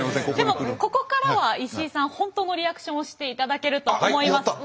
でもここからは石井さん本当のリアクションをしていただけると思います。